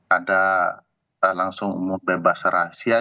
ada langsung umur bebas rahasia